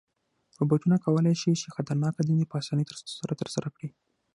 روبوټونه کولی شي چې خطرناکه دندې په آسانۍ سره ترسره کړي.